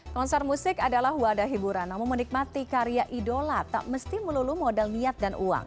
konser musik adalah wadah hiburan namun menikmati karya idola tak mesti melulu modal niat dan uang